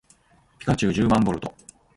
ピカチュウじゅうまんボルト